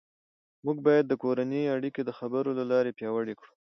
موږ باید د کورنۍ اړیکې د خبرو له لارې پیاوړې کړو